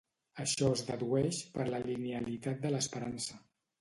Això es dedueix per la linealitat de l'esperança